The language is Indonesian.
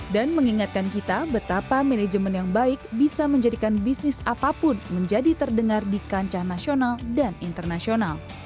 dan mengingatkan kita betapa manajemen yang baik bisa menjadikan bisnis apapun menjadi terdengar di kancah nasional dan internasional